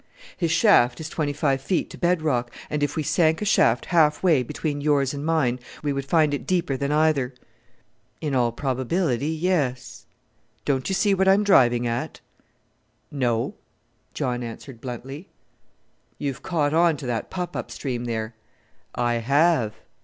"His shaft is twenty five feet to bed rock, and if we sank a shaft half way between yours and mine we would find it deeper than either." "In all probability, yes." "Don't you see what I am driving at?" "No," John answered bluntly. "You've caught on to that pup up stream there." "I have!"